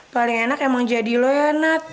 paling enak emang jadi lo ya nat